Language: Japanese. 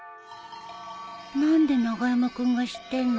何で長山君が知ってんの？